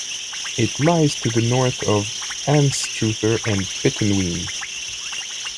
It lies to the north of Anstruther and Pittenweem.